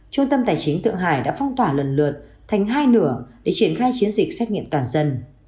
trung tâm tài chính tượng hải đã phong tỏa lần lượt thành hai nửa để triển khai chiến dịch xét nghiệm toàn dân